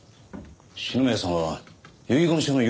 篠宮さんは遺言書の用意を？